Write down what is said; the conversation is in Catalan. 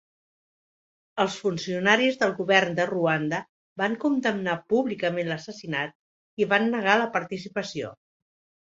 Els funcionaris del govern de Ruanda van condemnar públicament l'assassinat i van negar la participació.